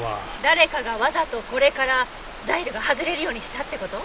誰かがわざとこれからザイルが外れるようにしたって事？